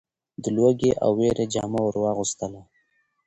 د لوږې او وېري جامه ور واغوستله .